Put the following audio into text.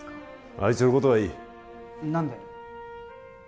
あいつのことはいい何で？